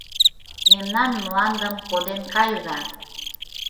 — Мемнан мландым коден кайыза!